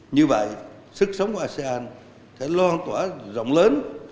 như vậy sức sống của asean sẽ loan tỏa rộng lớn